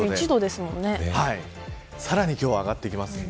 さらに今日は上がってきます。